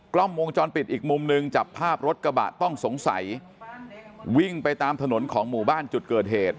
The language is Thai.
กล้องวงจรปิดอีกมุมหนึ่งจับภาพรถกระบะต้องสงสัยวิ่งไปตามถนนของหมู่บ้านจุดเกิดเหตุ